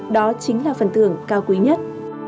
đó chính là phần thưởng cao quý nhất